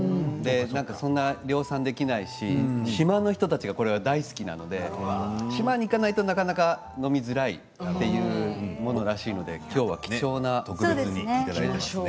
そんなに量産できないし島の人たちが大好きなので島に行かないとなかなか飲みづらいというものらしいので今日は貴重なものですね。